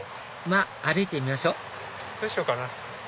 まっ歩いてみましょどうしようかな。